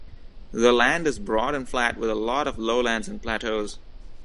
The land is broad and flat with a lot of lowlands and plateaus.